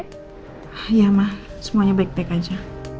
iya ma semuanya baik baik aja